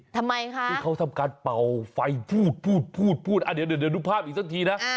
ทำไมคะเขาทำการเป่าไฟพูดอ่ะเดี๋ยวดูภาพอีกซักทีนะ